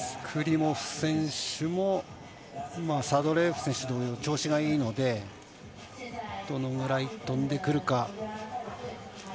クリモフ選手もサドレーエフ選手同様調子がいいのでどのぐらい飛んでくるか。